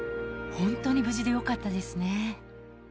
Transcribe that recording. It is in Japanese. ホントに無事でよかったですね